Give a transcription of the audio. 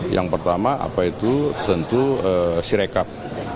yang pertama apa itu tentu sirekat